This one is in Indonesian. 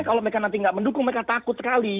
kalau mereka nanti nggak mendukung mereka takut sekali